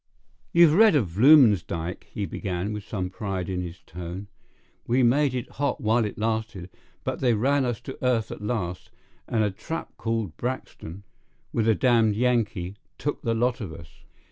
You've read of Bluemansdyke (he began, with some pride in his tone). We made it hot while it lasted; but they ran us to earth at last, and a trap called Braxton, with a damned Yankee, took the lot of us.